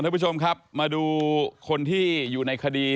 ทุกผู้ชมครับมาดูคนที่อยู่ในคดี